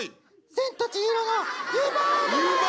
「千と千尋」の湯婆婆！